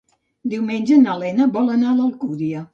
Diumenge na Lena vol anar a l'Alcúdia.